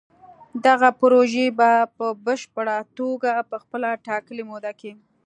دغه پروژې به په پشپړه توګه په خپله ټاکلې موده کې